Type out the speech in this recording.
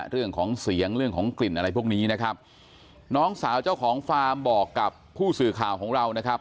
เรื่องของเสียงเรื่องของกลิ่นอะไรพวกนี้นะครับน้องสาวเจ้าของฟาร์มบอกกับผู้สื่อข่าวของเรานะครับ